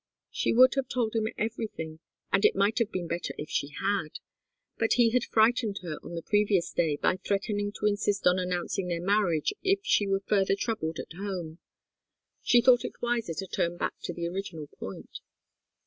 She would have told him everything, and it might have been better if she had. But he had frightened her on the previous day by threatening to insist on announcing their marriage if she were further troubled at home. She thought it wiser to turn back to the original point.